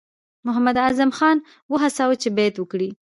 محمداعظم خان وهڅاوه چې بیعت وکړي.